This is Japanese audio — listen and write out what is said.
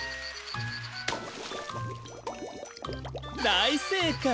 だいせいかい！